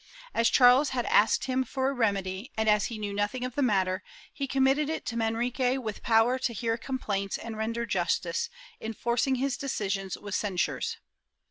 As Charles had asked him for a remedy, and as he knew nothing of the matter, he committed it to Manrique with power to hear complaints and render justice, enforcing his decisions with censures.